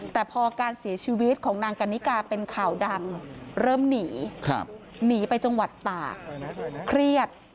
แต่พอการเสียชีวิตของนางกันนิกาเป็นข่าวดังเริ่มหนีหนีไปจังหวัดตากเครียด